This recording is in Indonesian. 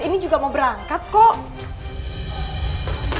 ini juga mau berangkat kok